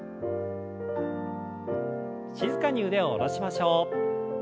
静かに腕を下ろしましょう。